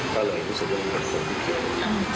ก็เลยรู้สึกว่าเป็นคนที่เจอกัน